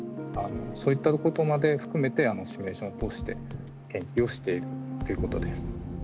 そういったことまで含めてシミュレーションを通して研究をしているっていうことです。